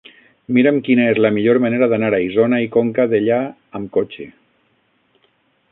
Mira'm quina és la millor manera d'anar a Isona i Conca Dellà amb cotxe.